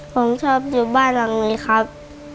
ผมชอบอยู่บ้านหลังนี้ครับ